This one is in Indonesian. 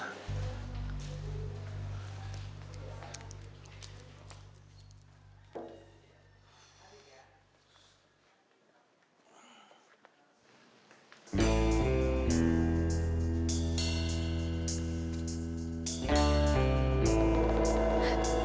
laro gini dulu mouvement masalah airnya